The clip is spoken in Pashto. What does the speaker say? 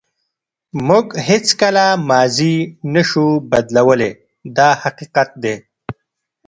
موږ هیڅکله ماضي نشو بدلولی دا حقیقت دی.